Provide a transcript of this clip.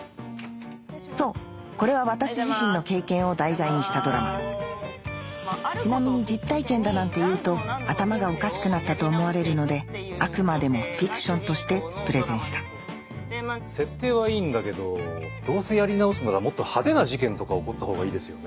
そうこれは私自身の経験を題材にしたドラマちなみに実体験だなんて言うと頭がおかしくなったと思われるのであくまでもフィクションとしてプレゼンした設定はいいんだけどどうせやり直すならもっと派手な事件とか起こったほうがいいですよね。